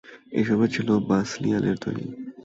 এ সবই ছিল বাসলিয়ালের তৈরী।